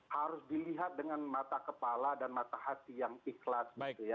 harus dilihat dengan mata kepala dan mata hati yang ikhlas